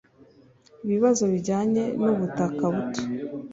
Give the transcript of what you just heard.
ibibazo bijyanye n'ubutaka buto